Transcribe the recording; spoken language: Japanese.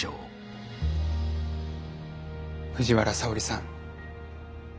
藤原沙織さん。